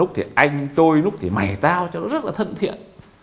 thì anh tôi lúc thì mày tao cho nó rất là thân thiện